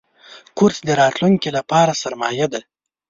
کورس د راتلونکي لپاره سرمایه ده.